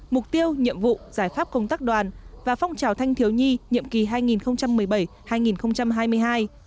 mục tiêu nhiệm vụ giải pháp công tác đoàn và phong trào thanh thiếu nhi nhiệm kỳ hai nghìn một mươi bảy hai nghìn hai mươi hai